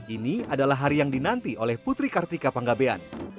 ini adalah hari yang dinanti oleh putri kartika panggabean